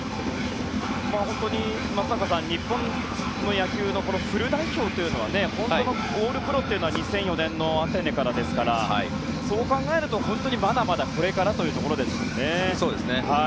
松坂さん、日本の野球のフル代表というのは本当のオールプロっていうのは２００４年のアテネからですからそう考えると、まだまだこれからというところですね。